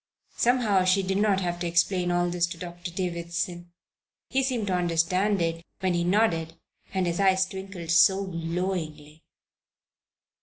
Somehow she did not have to explain all this to Doctor Davison. He seemed to understand it when he nodded and his eyes twinkled so glowingly.